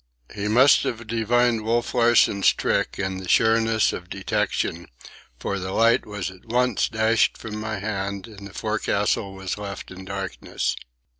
He must have divined Wolf Larsen's trick and the sureness of detection, for the light was at once dashed from my hand and the forecastle was left in darkness.